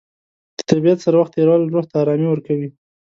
د طبیعت سره وخت تېرول روح ته ارامي ورکوي.